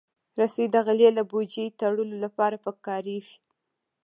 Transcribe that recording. رسۍ د غلې له بوجۍ تړلو لپاره کارېږي.